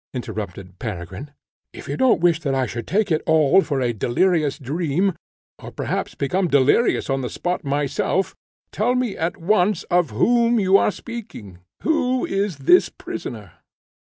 interrupted Peregrine, "if you don't wish that I should take it all for a delirious dream, or perhaps become delirious on the spot myself, tell me at once of whom you are speaking, who is this prisoner?"